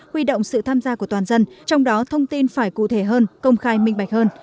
huy động sự tham gia của toàn dân trong đó thông tin phải cụ thể hơn công khai minh bạch hơn